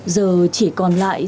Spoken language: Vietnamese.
giờ chỉ còn lại